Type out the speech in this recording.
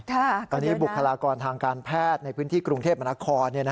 ตอนนี้บุคลากรทางการแพทย์ในพื้นที่กรุงเทพมนาคม